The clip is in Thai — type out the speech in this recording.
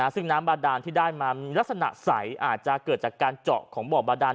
ซึ่งน้ำบาดานที่ได้มามีลักษณะใสอาจจะเกิดจากการเจาะของบ่อบาดาน